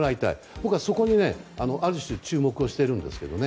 僕はそこにある種注目をしているんですね。